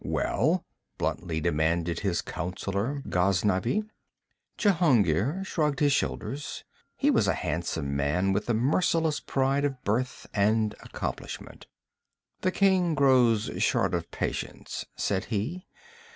'Well?' bluntly demanded his counsellor Ghaznavi. Jehungir shrugged his shoulders. He was a handsome man, with the merciless pride of birth and accomplishment. 'The king grows short of patience,' said he.